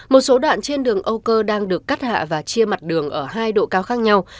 một số đoạn trên đường âu cơ đang được cắt hạ và chia mặt đường ở hai độ cao khác nhau